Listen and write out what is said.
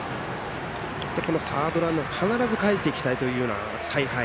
サードランナーを必ずかえしていきたいという采配。